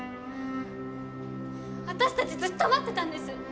私たちずっと待ってたんです。